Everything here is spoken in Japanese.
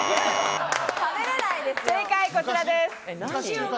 正解、こちらです。